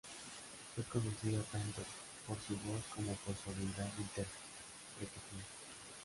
Fue conocida tanto por su voz como por su habilidad interpretativa.